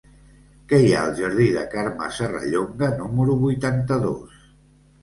Què hi ha al jardí de Carme Serrallonga número vuitanta-dos?